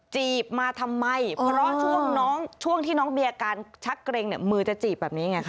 จีบมาทำไมเพราะช่วงที่น้องเบียการชักเกร็งเนี่ยมือจะจีบแบบนี้ไงคะ